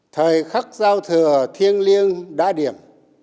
thời khắc giao thừa thiêng liêng đa điểm